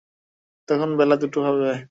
তখন বেলা দুটো হইবে।